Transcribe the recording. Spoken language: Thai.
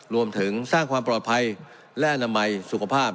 รวมถึงสร้างความปลอดภัยและอนามัยสุขภาพ